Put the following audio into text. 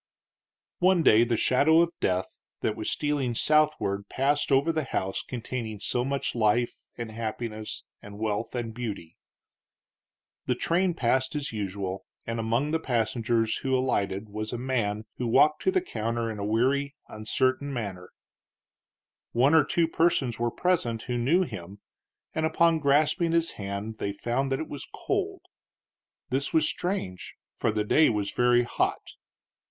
One day the shadow of death that was stealing southward passed over the house containing so much life, and happiness, and wealth, and beauty. The train passed as usual, and among the passengers who alighted was a man who walked to the counter in a weary, uncertain manner. One or two persons were present who knew him, and upon grasping his hand they found that it was cold. This was strange, for the day was very hot.